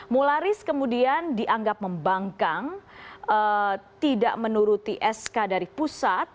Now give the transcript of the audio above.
mularis kemudian dianggap membangkang tidak menuruti sk dari pusat